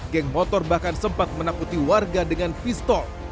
geng motor bahkan sempat menakuti warga dengan pistol